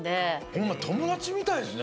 ホンマともだちみたいですね。